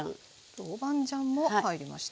豆板醤も入りました。